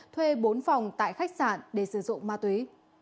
thuê bốn phòng tại khách sạn để sử dụng ma túy